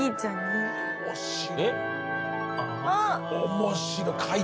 面白い。